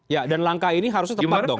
ya dan langkah ini harusnya tepat dong